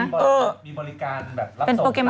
มีบริการแบบรับส่ง